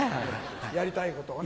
やりたいことをね。